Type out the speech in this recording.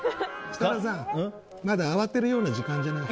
設楽さんまだ慌てるような時間じゃない。